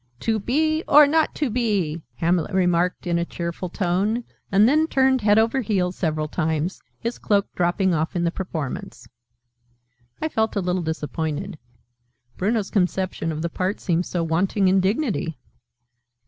"To be or not to be!" Hamlet remarked in a cheerful tone, and then turned head over heels several times, his cloak dropping off in the performance. I felt a little disappointed: Bruno's conception of the part seemed so wanting in dignity.